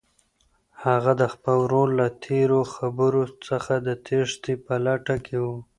هغه د خپل ورور له تېرو خبرو څخه د تېښتې په لټه کې وه.